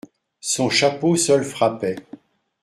Son chapeau seul frappait.